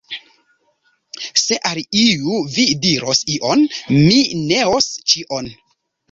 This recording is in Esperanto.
Se al iu vi diros ion, mi neos ĉion.